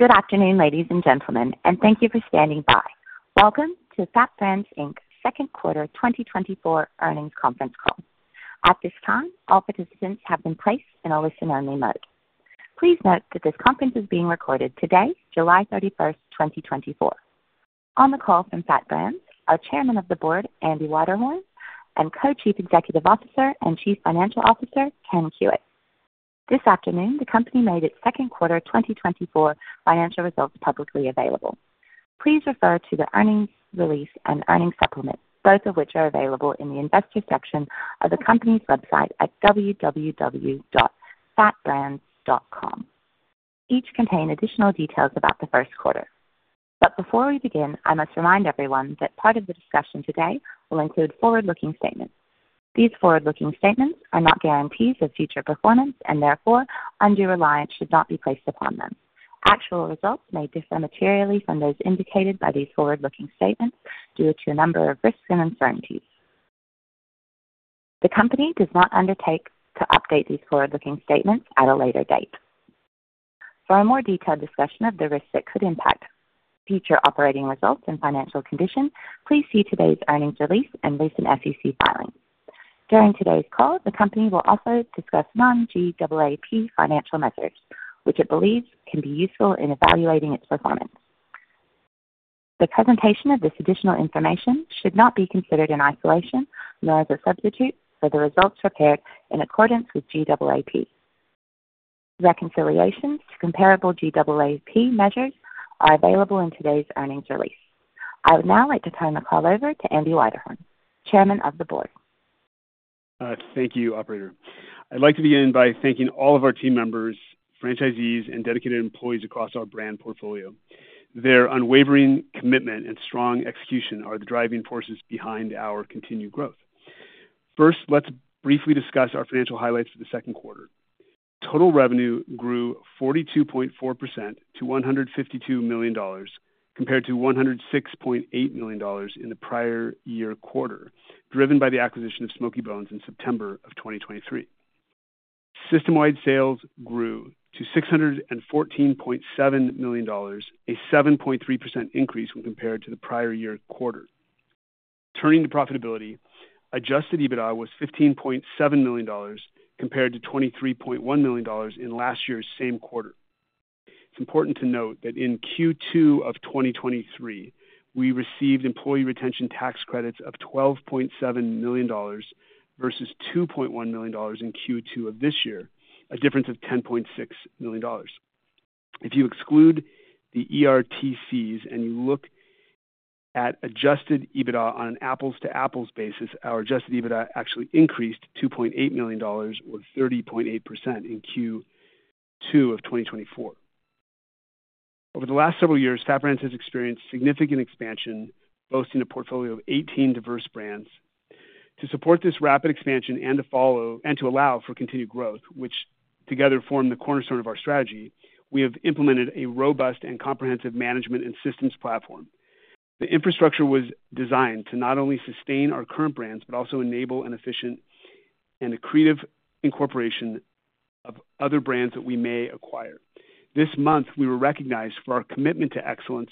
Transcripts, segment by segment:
Good afternoon, ladies and gentlemen, and thank you for standing by. Welcome to FAT Brands Inc Second Quarter 2024 Earnings Conference Call. At this time, all participants have been placed in a listen-only mode. Please note that this conference is being recorded today, July 31st, 2024. On the call from FAT Brands, our Chairman of the Board, Andy Wiederhorn, and Co-Chief Executive Officer and Chief Financial Officer, Ken Kuick. This afternoon, the company made its second quarter 2024 financial results publicly available. Please refer to the earnings release and earnings supplement, both of which are available in the Investor section of the company's website at www.fatbrands.com. Each contain additional details about the first quarter. Before we begin, I must remind everyone that part of the discussion today will include forward-looking statements. These forward-looking statements are not guarantees of future performance, and therefore, undue reliance should not be placed upon them. Actual results may differ materially from those indicated by these forward-looking statements due to a number of risks and uncertainties. The company does not undertake to update these forward-looking statements at a later date. For a more detailed discussion of the risks that could impact future operating results and financial condition, please see today's earnings release and recent SEC filings. During today's call, the company will also discuss non-GAAP financial measures, which it believes can be useful in evaluating its performance. The presentation of this additional information should not be considered in isolation, nor as a substitute for the results prepared in accordance with GAAP. Reconciliations to comparable GAAP measures are available in today's earnings release. I would now like to turn the call over to Andy Wiederhorn, Chairman of the Board. Thank you, Operator. I'd like to begin by thanking all of our team members, franchisees, and dedicated employees across our brand portfolio. Their unwavering commitment and strong execution are the driving forces behind our continued growth. First, let's briefly discuss our financial highlights for the second quarter. Total revenue grew 42.4% to $152 million, compared to $106.8 million in the prior year quarter, driven by the acquisition of Smokey Bones in September of 2023. System-wide sales grew to $614.7 million, a 7.3% increase when compared to the prior year quarter. Turning to profitability, adjusted EBITDA was $15.7 million, compared to $23.1 million in last year's same quarter. It's important to note that in Q2 of 2023, we received employee retention tax credits of $12.7 million versus $2.1 million in Q2 of this year, a difference of $10.6 million. If you exclude the ERTCs and you look at adjusted EBITDA on an apples-to-apples basis, our adjusted EBITDA actually increased to $2.8 million, or 30.8% in Q2 of 2024. Over the last several years, FAT Brands has experienced significant expansion, boasting a portfolio of 18 diverse brands. To support this rapid expansion and to allow for continued growth, which together form the cornerstone of our strategy, we have implemented a robust and comprehensive management and systems platform. The infrastructure was designed to not only sustain our current brands, but also enable an efficient and accretive incorporation of other brands that we may acquire. This month, we were recognized for our commitment to excellence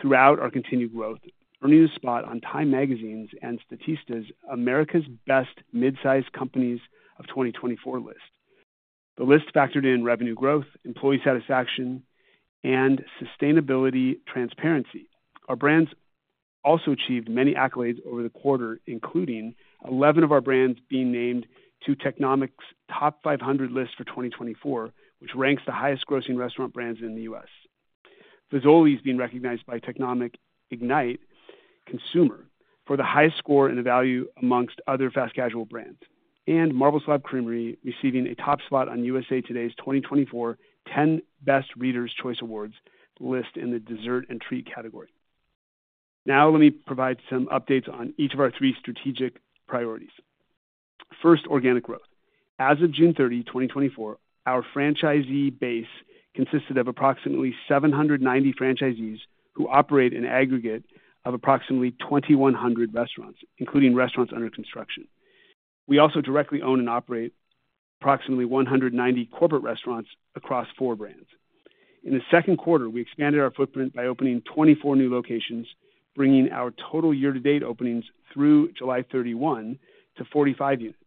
throughout our continued growth, earning a spot on Time Magazine's and Statista's America's Best Midsize Companies of 2024 list. The list factored in revenue growth, employee satisfaction, and sustainability transparency. Our brands also achieved many accolades over the quarter, including 11 of our brands being named to Technomic's Top 500 list for 2024, which ranks the highest grossing restaurant brands in the U.S. Fazoli's being recognized by Technomic Ignite Consumer for the highest score and value amongst other fast casual brands, and Marble Slab Creamery receiving a top spot on USA TODAY's 2024 10BEST Readers' Choice Awards list in the dessert and treat category. Now, let me provide some updates on each of our three strategic priorities. First, organic growth. As of June 30, 2024, our franchisee base consisted of approximately 790 franchisees who operate an aggregate of approximately 2,100 restaurants, including restaurants under construction. We also directly own and operate approximately 190 corporate restaurants across four brands. In the second quarter, we expanded our footprint by opening 24 new locations, bringing our total year-to-date openings through July 31 to 45 units.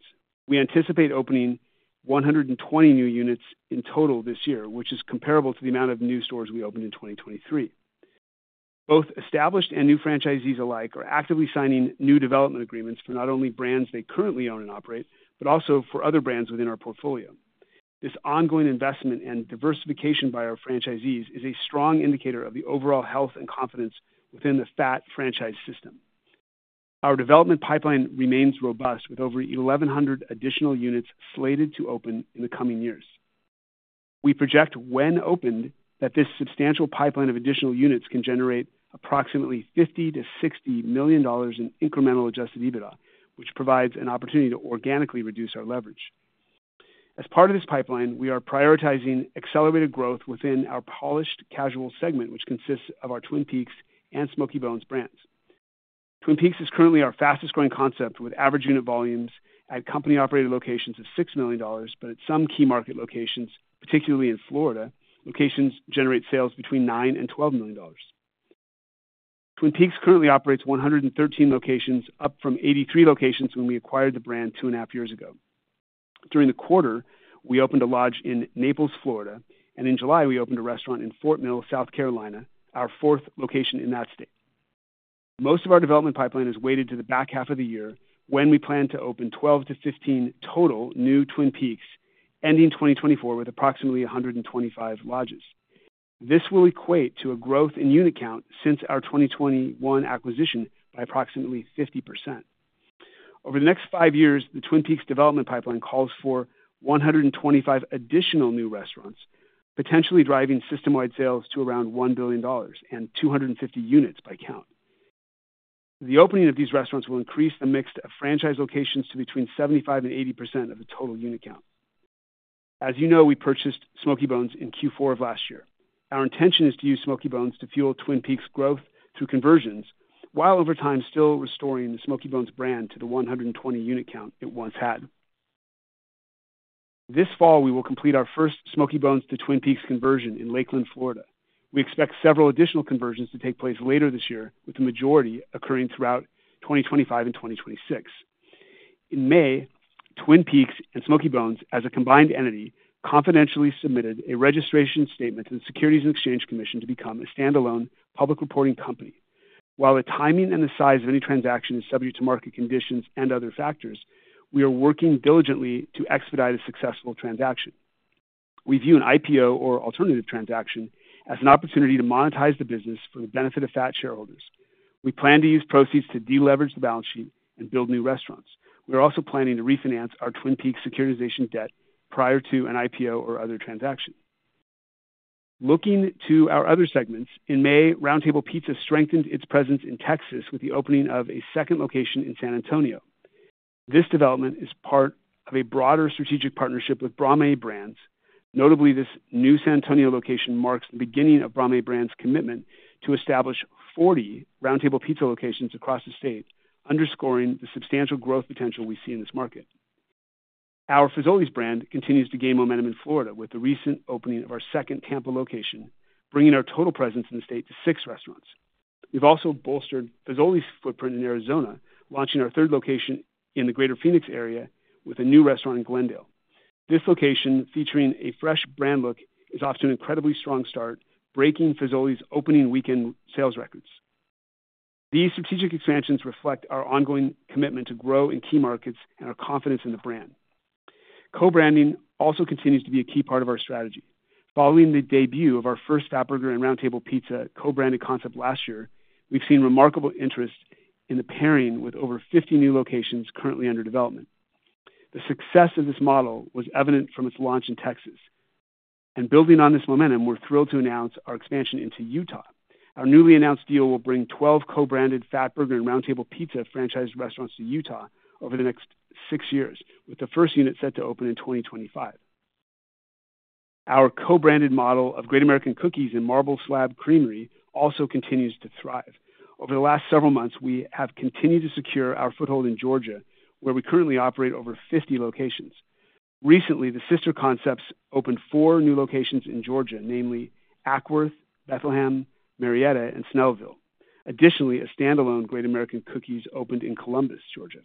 We anticipate opening 120 new units in total this year, which is comparable to the amount of new stores we opened in 2023. Both established and new franchisees alike are actively signing new development agreements for not only brands they currently own and operate, but also for other brands within our portfolio. This ongoing investment and diversification by our franchisees is a strong indicator of the overall health and confidence within the FAT franchise system. Our development pipeline remains robust, with over 1,100 additional units slated to open in the coming years. We project, when opened, that this substantial pipeline of additional units can generate approximately $50 million-$60 million in incremental adjusted EBITDA, which provides an opportunity to organically reduce our leverage. As part of this pipeline, we are prioritizing accelerated growth within our polished casual segment, which consists of our Twin Peaks and Smokey Bones brands. Twin Peaks is currently our fastest growing concept, with average unit volumes at company-operated locations of $6 million. But at some key market locations, particularly in Florida, locations generate sales between $9 million and $12 million. Twin Peaks currently operates 113 locations, up from 83 locations when we acquired the brand 2.5 years ago. During the quarter, we opened a lodge in Naples, Florida, and in July, we opened a restaurant in Fort Mill, South Carolina, our 4th location in that state. Most of our development pipeline is weighted to the back half of the year, when we plan to open 12-15 total new Twin Peaks, ending 2024 with approximately 125 lodges. This will equate to a growth in unit count since our 2021 acquisition by approximately 50%. Over the next 5 years, the Twin Peaks development pipeline calls for 125 additional new restaurants, potentially driving system-wide sales to around $1 billion and 250 units by count. The opening of these restaurants will increase the mix of franchise locations to between 75% and 80% of the total unit count. As you know, we purchased Smokey Bones in Q4 of last year. Our intention is to use Smokey Bones to fuel Twin Peaks growth through conversions, while over time still restoring the Smokey Bones brand to the 120 unit count it once had. This fall, we will complete our first Smokey Bones to Twin Peaks conversion in Lakeland, Florida. We expect several additional conversions to take place later this year, with the majority occurring throughout 2025 and 2026. In May, Twin Peaks and Smokey Bones, as a combined entity, confidentially submitted a registration statement to the Securities and Exchange Commission to become a standalone public reporting company. While the timing and the size of any transaction is subject to market conditions and other factors, we are working diligently to expedite a successful transaction. We view an IPO or alternative transaction as an opportunity to monetize the business for the benefit of FAT shareholders. We plan to use proceeds to deleverage the balance sheet and build new restaurants. We are also planning to refinance our Twin Peaks securitization debt prior to an IPO or other transaction. Looking to our other segments, in May, Round Table Pizza strengthened its presence in Texas with the opening of a second location in San Antonio. This development is part of a broader strategic partnership with Brame Brands. Notably, this new San Antonio location marks the beginning of Brame Brands' commitment to establish 40 Round Table Pizza locations across the state, underscoring the substantial growth potential we see in this market. Our Fazoli's brand continues to gain momentum in Florida with the recent opening of our second Tampa location, bringing our total presence in the state to 6 restaurants. We've also bolstered Fazoli's footprint in Arizona, launching our third location in the greater Phoenix area with a new restaurant in Glendale. This location, featuring a fresh brand look, is off to an incredibly strong start, breaking Fazoli's opening weekend sales records. These strategic expansions reflect our ongoing commitment to grow in key markets and our confidence in the brand. Co-branding also continues to be a key part of our strategy. Following the debut of our first Fatburger and Round Table Pizza co-branded concept last year, we've seen remarkable interest in the pairing with over 50 new locations currently under development. The success of this model was evident from its launch in Texas, and building on this momentum, we're thrilled to announce our expansion into Utah. Our newly announced deal will bring 12 co-branded Fatburger and Round Table Pizza franchise restaurants to Utah over the next 6 years, with the first unit set to open in 2025. Our co-branded model of Great American Cookies and Marble Slab Creamery also continues to thrive. Over the last several months, we have continued to secure our foothold in Georgia, where we currently operate over 50 locations. Recently, the sister concepts opened 4 new locations in Georgia, namely Acworth, Bethlehem, Marietta, and Snellville. Additionally, a standalone Great American Cookies opened in Columbus, Georgia.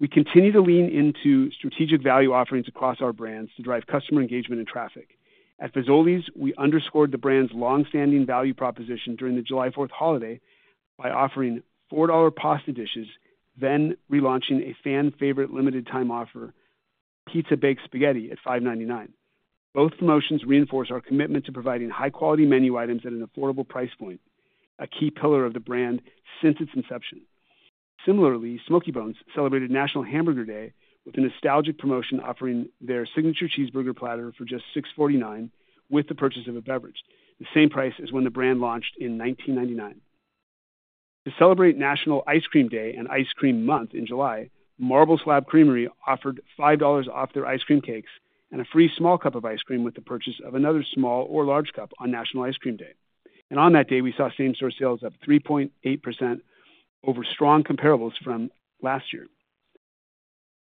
We continue to lean into strategic value offerings across our brands to drive customer engagement and traffic. At Fazoli's, we underscored the brand's long-standing value proposition during the July 4th holiday by offering $4 pasta dishes, then relaunching a fan favorite limited time offer, Pizza Baked Spaghetti, at $5.99. Both promotions reinforce our commitment to providing high-quality menu items at an affordable price point, a key pillar of the brand since its inception. Similarly, Smokey Bones celebrated National Hamburger Day with a nostalgic promotion offering their signature cheeseburger platter for just $6.49 with the purchase of a beverage, the same price as when the brand launched in 1999. To celebrate National Ice Cream Day and Ice Cream Month in July, Marble Slab Creamery offered $5 off their ice cream cakes and a free small cup of ice cream with the purchase of another small or large cup on National Ice Cream Day. On that day, we saw same-store sales up 3.8% over strong comparables from last year.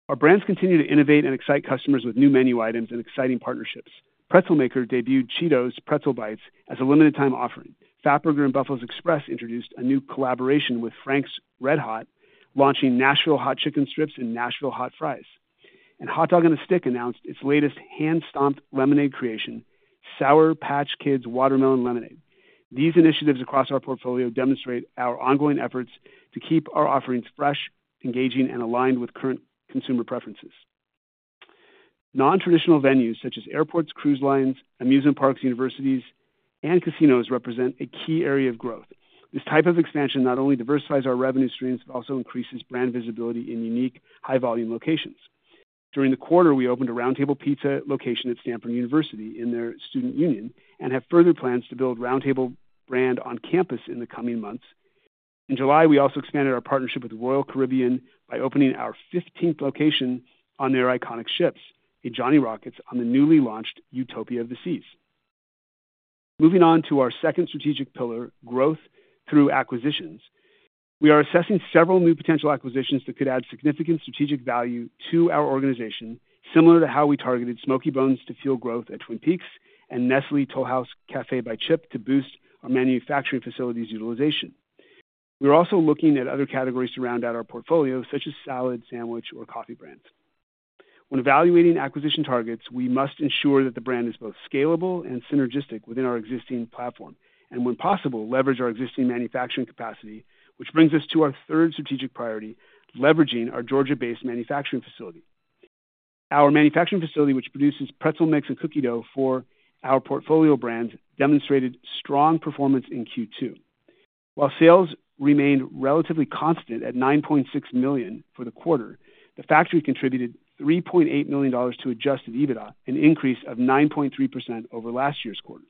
Our brands continue to innovate and excite customers with new menu items and exciting partnerships. Pretzelmaker debuted Cheetos Pretzel Bites as a limited time offering. Fatburger and Buffalo's Express introduced a new collaboration with Frank's RedHot, launching Nashville Hot Chicken Strips and Nashville Hot Fries. And Hot Dog on a Stick announced its latest hand-stomped lemonade creation, Sour Patch Kids Watermelon Lemonade. These initiatives across our portfolio demonstrate our ongoing efforts to keep our offerings fresh, engaging, and aligned with current consumer preferences. Nontraditional venues such as airports, cruise lines, amusement parks, universities, and casinos represent a key area of growth. This type of expansion not only diversifies our revenue streams, but also increases brand visibility in unique, high-volume locations. During the quarter, we opened a Round Table Pizza location at Stanford University in their student union and have further plans to build Round Table brand on campus in the coming months. In July, we also expanded our partnership with Royal Caribbean by opening our fifteenth location on their iconic ships, a Johnny Rockets, on the newly launched Utopia of the Seas. Moving on to our second strategic pillar, growth through acquisitions. We are assessing several new potential acquisitions that could add significant strategic value to our organization, similar to how we targeted Smokey Bones to fuel growth at Twin Peaks and Nestlé Toll House Café by Chip to boost our manufacturing facilities utilization. We're also looking at other categories to round out our portfolio, such as salad, sandwich, or coffee brands. When evaluating acquisition targets, we must ensure that the brand is both scalable and synergistic within our existing platform, and when possible, leverage our existing manufacturing capacity. Which brings us to our third strategic priority, leveraging our Georgia-based manufacturing facility. Our manufacturing facility, which produces pretzel mix and cookie dough for our portfolio brands, demonstrated strong performance in Q2. While sales remained relatively constant at 9.6 million for the quarter, the factory contributed $3.8 million to adjusted EBITDA, an increase of 9.3% over last year's quarter.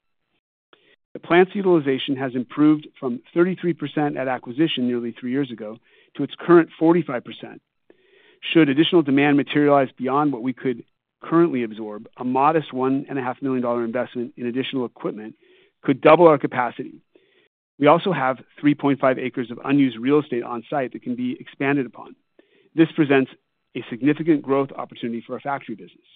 The plant's utilization has improved from 33% at acquisition nearly 3 years ago, to its current 45%. Should additional demand materialize beyond what we could currently absorb, a modest $1.5 million investment in additional equipment could double our capacity. We also have 3.5 acres of unused real estate on site that can be expanded upon. This presents a significant growth opportunity for our factory business.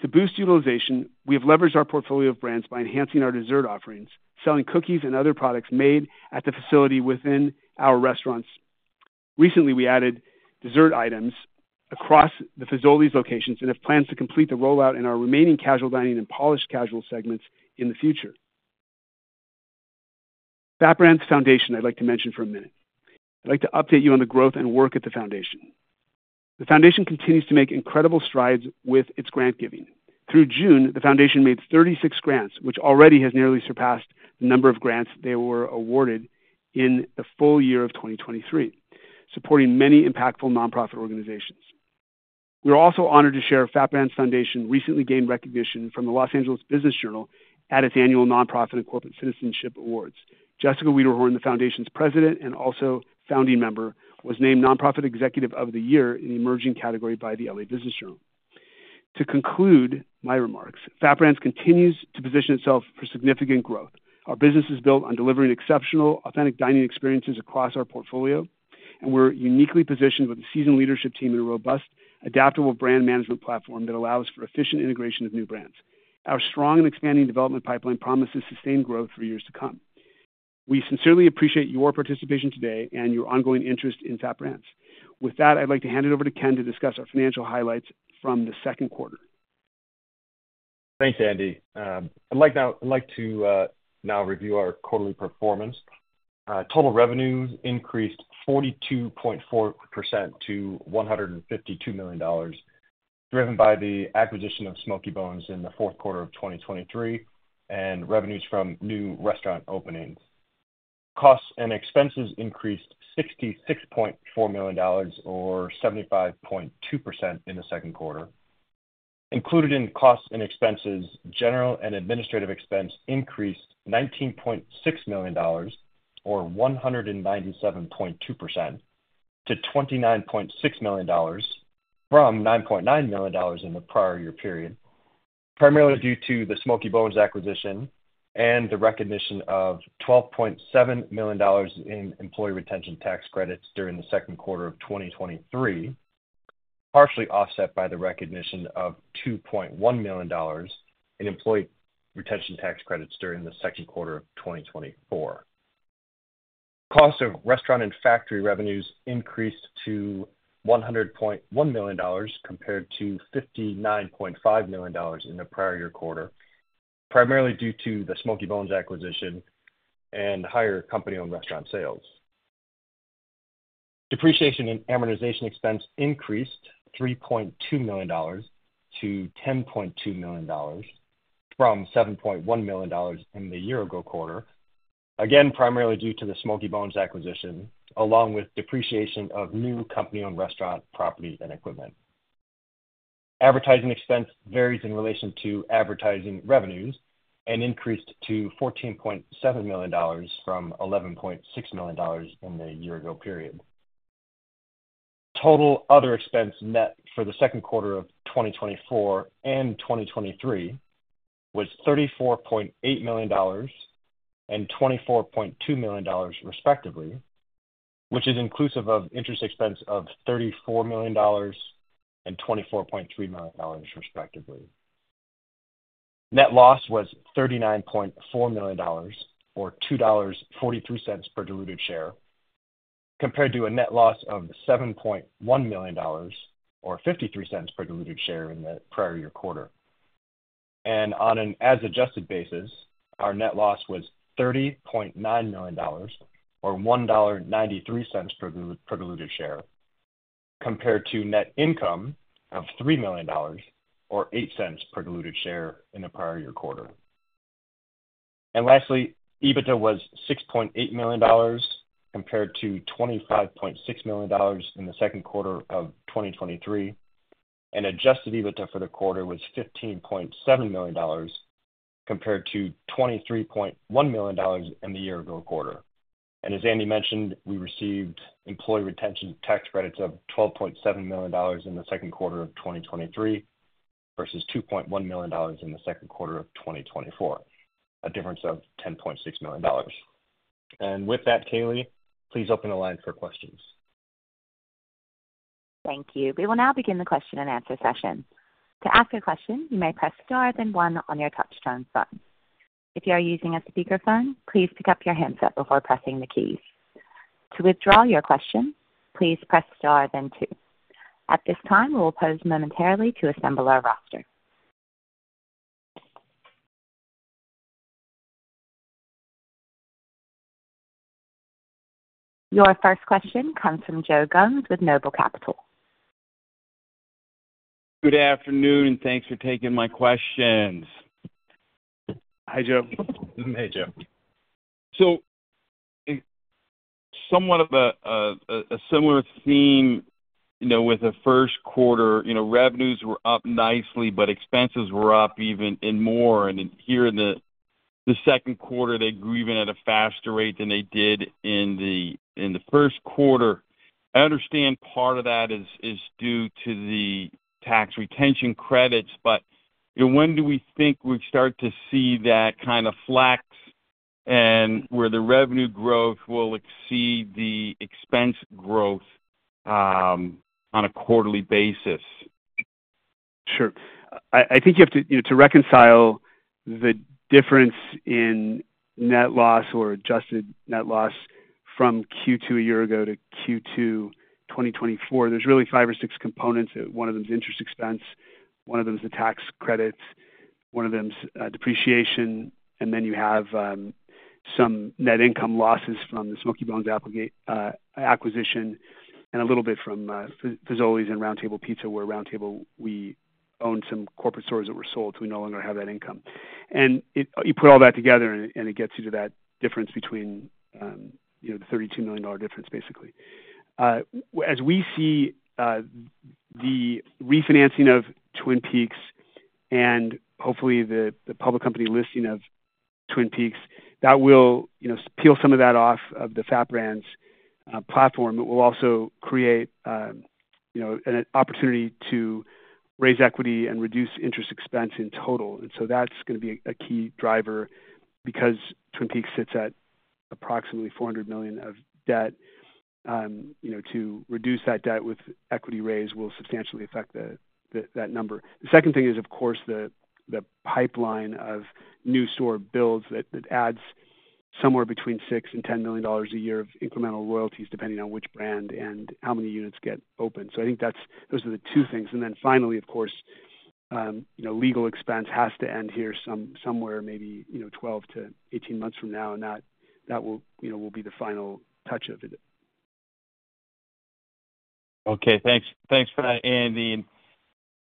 To boost utilization, we have leveraged our portfolio of brands by enhancing our dessert offerings, selling cookies and other products made at the facility within our restaurants. Recently, we added dessert items across the Fazoli's locations and have plans to complete the rollout in our remaining casual dining and polished casual segments in the future. FAT Brands Foundation, I'd like to mention for a minute. I'd like to update you on the growth and work at the foundation. The foundation continues to make incredible strides with its grant giving. Through June, the foundation made 36 grants, which already has nearly surpassed the number of grants they were awarded in the full year of 2023, supporting many impactful nonprofit organizations. We are also honored to share FAT Brands Foundation recently gained recognition from the Los Angeles Business Journal at its Annual Nonprofit and Corporate Citizenship Awards. Jessica Wiederhorn, the foundation's president and also founding member, was named Nonprofit Executive of the Year in the emerging category by the LA Business Journal. To conclude my remarks, FAT Brands continues to position itself for significant growth. Our business is built on delivering exceptional, authentic dining experiences across our portfolio, and we're uniquely positioned with a seasoned leadership team and a robust, adaptable brand management platform that allows for efficient integration of new brands. Our strong and expanding development pipeline promises sustained growth for years to come. We sincerely appreciate your participation today and your ongoing interest in FAT Brands. With that, I'd like to hand it over to Ken to discuss our financial highlights from the second quarter. Thanks, Andy. I'd like to now review our quarterly performance. Total revenues increased 42.4% to $152 million, driven by the acquisition of Smokey Bones in the fourth quarter of 2023 and revenues from new restaurant openings. Costs and expenses increased $66.4 million, or 75.2% in the second quarter. Included in costs and expenses, general and administrative expense increased $19.6 million, or 197.2% to $29.6 million from $9.9 million in the prior year period, primarily due to the Smokey Bones acquisition and the recognition of $12.7 million in Employee Retention Tax Credits during the second quarter of 2023, partially offset by the recognition of $2.1 million in Employee Retention Tax Credits during the second quarter of 2024. Cost of restaurant and factory revenues increased to $100.1 million compared to $59.5 million in the prior year quarter, primarily due to the Smokey Bones acquisition and higher company-owned restaurant sales. Depreciation and amortization expense increased $3.2 million to $10.2 million from $7.1 million in the year ago quarter, again, primarily due to the Smokey Bones acquisition, along with depreciation of new company and restaurant property and equipment. Advertising expense varies in relation to advertising revenues and increased to $14.7 million from $11.6 million in the year ago period. Total other expense net for the second quarter of 2024 and 2023 was $34.8 million and $24.2 million, respectively, which is inclusive of interest expense of $34 million and $24.3 million, respectively. Net loss was $39.4 million, or $2.43 per diluted share, compared to a net loss of $7.1 million, or $0.53 per diluted share in the prior year quarter. On an as adjusted basis, our net loss was $30.9 million, or $1.93 per diluted share, compared to net income of $3 million, or $0.08 per diluted share in the prior year quarter. Lastly, EBITDA was $6.8 million, compared to $25.6 million in the second quarter of 2023, and adjusted EBITDA for the quarter was $15.7 million, compared to $23.1 million in the year ago quarter. As Andy mentioned, we received employee retention tax credits of $12.7 million in the second quarter of 2023, versus $2.1 million in the second quarter of 2024, a difference of $10.6 million. With that, Kaylee, please open the line for questions. Thank you. We will now begin the question-and-answer session. To ask a question, you may press star then one on your touchtone phone. If you are using a speakerphone, please pick up your handset before pressing the keys. To withdraw your question, please press star then two. At this time, we will pause momentarily to assemble our roster. Your first question comes from Joe Gomes with Noble Capital. Good afternoon, and thanks for taking my questions. Hi, Joe. Hey, Joe. So somewhat of a similar theme, you know, with the first quarter. You know, revenues were up nicely, but expenses were up even more. And then here in the second quarter, they grew even at a faster rate than they did in the first quarter. I understand part of that is due to the Employee Retention Tax Credits, but, you know, when do we think we'd start to see that kind of flex and where the revenue growth will exceed the expense growth on a quarterly basis? Sure. I think you have to, you know, to reconcile the difference in net loss or adjusted net loss from Q2 a year ago to Q2 2024, there's really five or six components. One of them is interest expense, one of them is the tax credits, one of them's depreciation, and then you have some net income losses from the Smokey Bones acquisition, and a little bit from Fazoli's and Round Table Pizza, where Round Table, we owned some corporate stores that were sold, so we no longer have that income. You put all that together and it gets you to that difference between, you know, the $32 million difference, basically. As we see, the refinancing of Twin Peaks and hopefully the public company listing of Twin Peaks, that will, you know, peel some of that off of the FAT Brands platform. It will also create, you know, an opportunity to raise equity and reduce interest expense in total. And so that's going to be a key driver because Twin Peaks sits at approximately $400 million of debt. To reduce that debt with equity raise will substantially affect the, that number. The second thing is, of course, the pipeline of new store builds that adds somewhere between $6 million and $10 million a year of incremental royalties, depending on which brand and how many units get opened. So I think that's, those are the two things. And then finally, of course, you know, legal expense has to end here somewhere, maybe, you know, 12-18 months from now, and that will, you know, be the final touch of it. Okay, thanks. Thanks for that, Andy.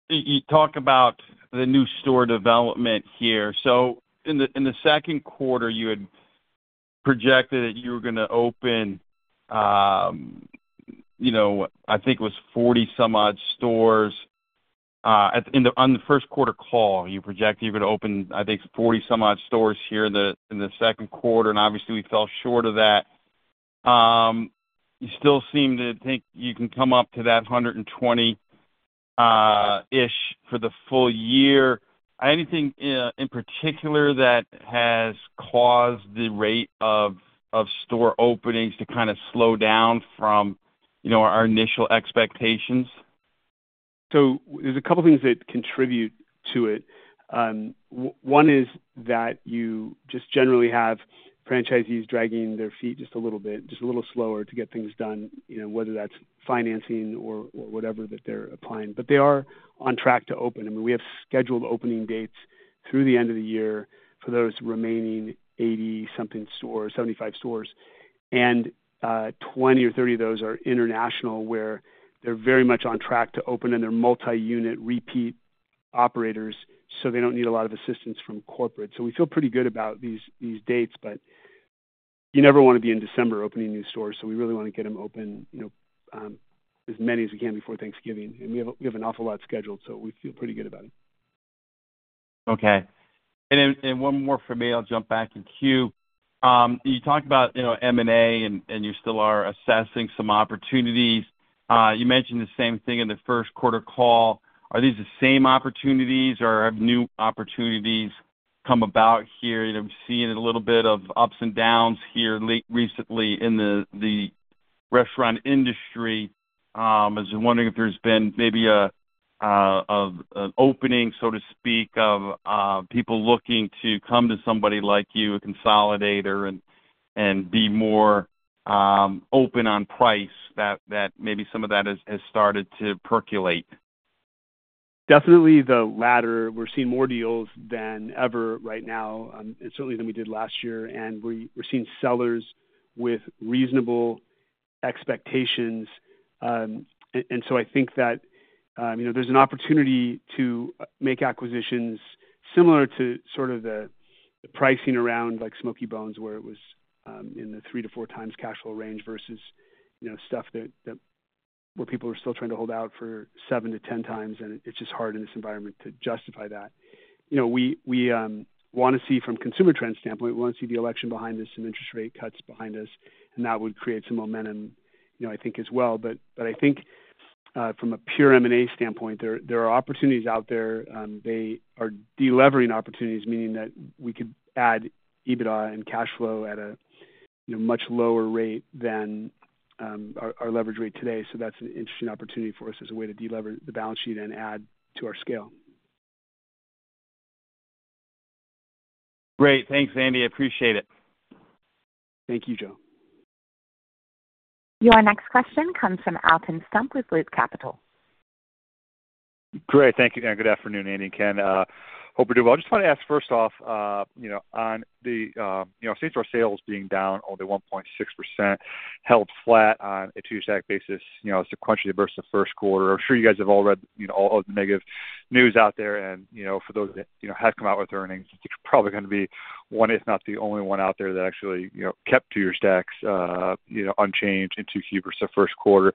You talk about the new store development here. So in the second quarter, you had projected that you were going to open, you know, I think it was 40-some-odd stores. On the first quarter call, you projected you were going to open, I think, 40-some-odd stores here in the second quarter, and obviously we fell short of that. You still seem to think you can come up to that 120-ish for the full year. Anything in particular that has caused the rate of store openings to kind of slow down from, you know, our initial expectations? So there's a couple things that contribute to it. One is that you just generally have franchisees dragging their feet just a little bit, just a little slower to get things done, you know, whether that's financing or, or whatever that they're applying. But they are on track to open. I mean, we have scheduled opening dates through the end of the year for those remaining 80-something stores, 75 stores, and 20 or 30 of those are international, where they're very much on track to open in their multi-unit, repeat operators, so they don't need a lot of assistance from corporate. So we feel pretty good about these, these dates, but you never want to be in December opening new stores, so we really want to get them open, you know, as many as we can before Thanksgiving. We have, we have an awful lot scheduled, so we feel pretty good about it. Okay, and then one more for me. I'll jump back in queue. You talked about, you know, M&A and you still are assessing some opportunities. You mentioned the same thing in the first quarter call. Are these the same opportunities or have new opportunities come about here? You know, we've seen a little bit of ups and downs here recently in the restaurant industry. I was just wondering if there's been maybe an opening, so to speak, of people looking to come to somebody like you, a consolidator, and be more open on price, that maybe some of that has started to percolate. Definitely the latter. We're seeing more deals than ever right now, and certainly than we did last year, and we're seeing sellers with reasonable expectation. And so I think that, you know, there's an opportunity to make acquisitions similar to sort of the pricing around, like, Smokey Bones, where it was in the 3x-4x cash flow range versus, you know, stuff that where people are still trying to hold out for 7x-10x, and it's just hard in this environment to justify that. You know, we want to see from consumer trends standpoint, we want to see the election behind this and interest rate cuts behind us, and that would create some momentum, you know, I think as well. But I think from a pure M&A standpoint, there are opportunities out there. They are deleveraging opportunities, meaning that we could add EBITDA and cash flow at a, you know, much lower rate than our leverage rate today. So that's an interesting opportunity for us as a way to delever the balance sheet and add to our scale. Great. Thanks, Andy. I appreciate it. Thank you, Joe. Your next question comes from Alton Stump with Loop Capital. Great. Thank you, and good afternoon, Andy and Ken. Hope we're doing well. I just want to ask first off, you know, on the, you know, same-store sales being down only 1.6%, held flat on a two stack basis, you know, sequentially versus the first quarter. I'm sure you guys have all read, you know, all of the negative news out there and, you know, for those that, you know, have come out with earnings, it's probably going to be one if not the only one out there that actually, you know, kept to your stacks, you know, unchanged in 2Q versus the first quarter.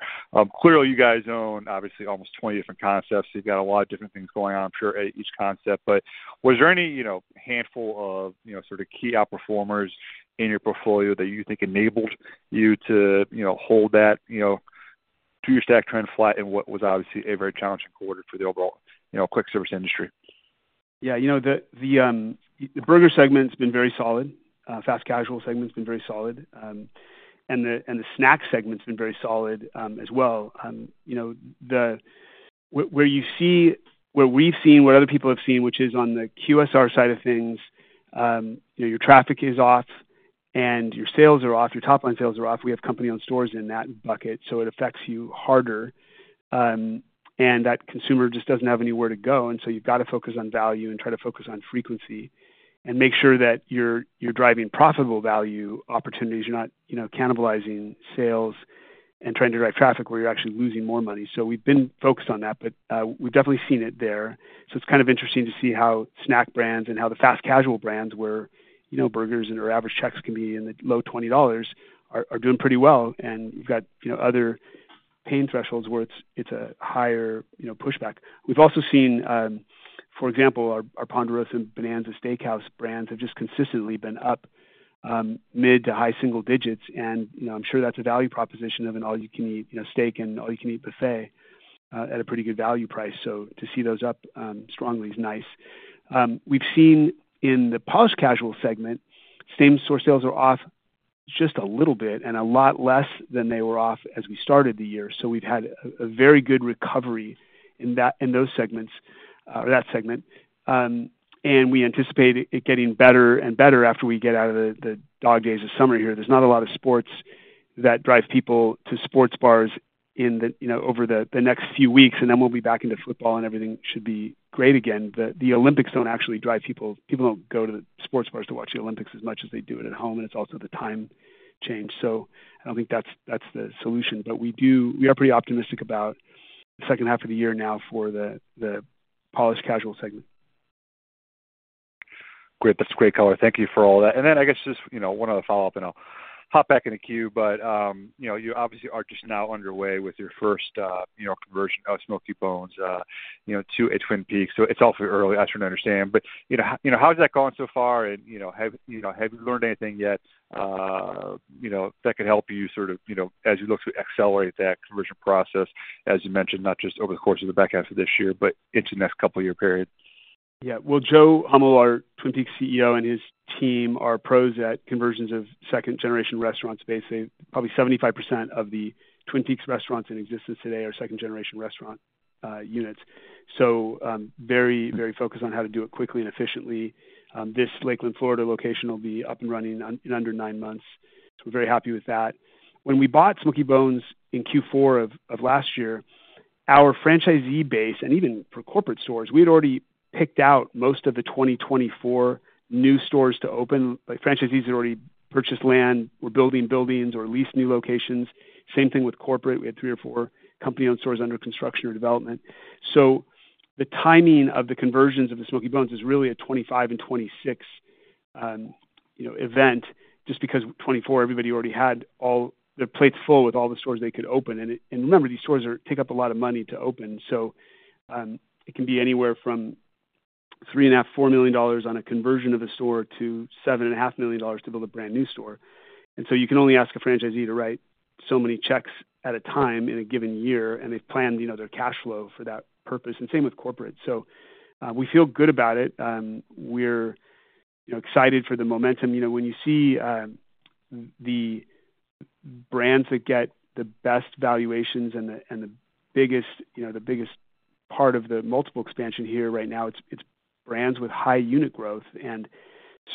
Clearly, you guys own obviously almost 20 different concepts. You've got a lot of different things going on, I'm sure, at each concept. But was there any, you know, handful of, you know, sort of key outperformers in your portfolio that you think enabled you to, you know, hold that, you know, to your same-store trend flat in what was obviously a very challenging quarter for the overall, you know, quick service industry? Yeah, you know, the burger segment's been very solid. Fast casual segment's been very solid. And the snack segment's been very solid, as well. You know, where we've seen, what other people have seen, which is on the QSR side of things, you know, your traffic is off and your sales are off, your top line sales are off. We have company-owned stores in that bucket, so it affects you harder. And that consumer just doesn't have anywhere to go, and so you've gotta focus on value and try to focus on frequency and make sure that you're driving profitable value opportunities. You're not, you know, cannibalizing sales and trying to drive traffic where you're actually losing more money. So we've been focused on that, but we've definitely seen it there. So it's kind of interesting to see how snack brands and how the fast casual brands where, you know, burgers and our average checks can be in the low $20 are doing pretty well. And we've got, you know, other pain thresholds where it's a higher, you know, pushback. We've also seen, for example, our Ponderosa and Bonanza Steakhouse brands have just consistently been up mid- to high-single digits. And, you know, I'm sure that's a value proposition of an all-you-can-eat, you know, steak and all-you-can-eat buffet at a pretty good value price. So to see those up strongly is nice. We've seen in the polished casual segment, same-store sales are off just a little bit and a lot less than they were off as we started the year. So we've had a very good recovery in that, in those segments, or that segment. We anticipate it getting better and better after we get out of the dog days of summer here. There's not a lot of sports that drive people to sports bars in the, you know, over the next few weeks, and then we'll be back into football, and everything should be great again. The Olympics don't actually drive people. People don't go to the sports bars to watch the Olympics as much as they do it at home, and it's also the time change. So I don't think that's the solution. But we are pretty optimistic about the second half of the year now for the fast casual segment. Great. That's great color. Thank you for all that. And then I guess just, you know, one other follow-up, and I'll hop back in the queue, but, you know, you obviously are just now underway with your first, you know, conversion of Smokey Bones, you know, to a Twin Peaks. So it's all very early. I try to understand. But, you know, how, you know, how has that gone so far? And, you know, have, you know, have you learned anything yet, you know, that could help you sort of, you know, as you look to accelerate that conversion process, as you mentioned, not just over the course of the back half of this year, but into the next couple year period? Yeah. Well, Joe Hummel, our Twin Peaks CEO, and his team are pros at conversions of second-generation restaurants, basically. Probably 75% of the Twin Peaks restaurants in existence today are second-generation restaurant units. So, very, very focused on how to do it quickly and efficiently. This Lakeland, Florida, location will be up and running in under nine months, so we're very happy with that. When we bought Smokey Bones in Q4 of last year, our franchisee base, and even for corporate stores, we had already picked out most of the 2024 new stores to open. Like, franchisees had already purchased land. We're building buildings or leased new locations. Same thing with corporate. We had three or four company-owned stores under construction or development. So the timing of the conversions of the Smokey Bones is really a 2025 and 2026, you know, event, just because 2024 everybody already had all their plates full with all the stores they could open. And remember, these stores take up a lot of money to open, so it can be anywhere from $3.5-$4 million on a conversion of a store to $7.5 million to build a brand-new store. And so you can only ask a franchisee to write so many checks at a time in a given year, and they've planned, you know, their cash flow for that purpose, and same with corporate. So we feel good about it. We're, you know, excited for the momentum. You know, when you see, the brands that get the best valuations and the, and the biggest, you know, the biggest part of the multiple expansion here right now, it's, it's brands with high unit growth, and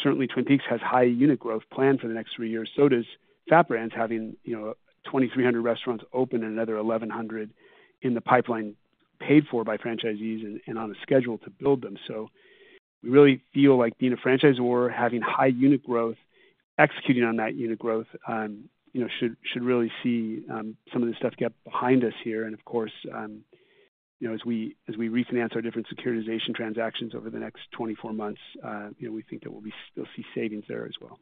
certainly Twin Peaks has high unit growth planned for the next 3 years. So does FAT Brands, having, you know, 2,300 restaurants open and another 1,100 in the pipeline paid for by franchisees and, and on a schedule to build them. So we really feel like being a franchisor, having high unit growth, executing on that unit growth, you know, should, should really see, some of the stuff get behind us here. And of course, you know, as we, as we refinance our different securitization transactions over the next 24 months, you know, we think that we'll still see savings there as well.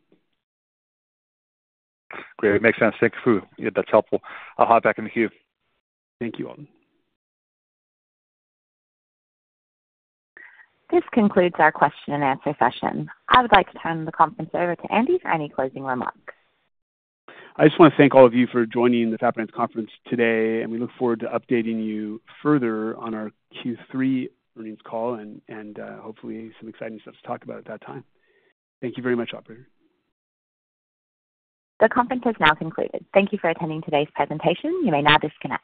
Great. Makes sense. Thank you. Yeah, that's helpful. I'll hop back in the queue. Thank you, Alton. This concludes our question-and-answer session. I would like to turn the conference over to Andy for any closing remarks. I just want to thank all of you for joining the FAT Brands conference today, and we look forward to updating you further on our Q3 earnings call and hopefully some exciting stuff to talk about at that time. Thank you very much, Operator. The conference is now concluded. Thank you for attending today's presentation. You may now disconnect.